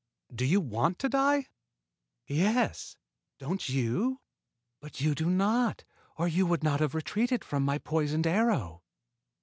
"Do you want to die?" "Yes; don't you? But you do not, or you would not have retreated from my poisoned arrow."